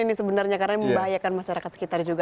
ini sebenarnya karena membahayakan masyarakat sekitar juga